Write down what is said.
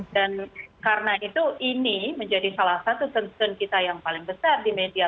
dan karena itu ini menjadi salah satu concern kita yang paling besar di media